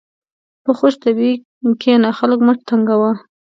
په خوشطبعي کښېنه، خلق مه تنګوه.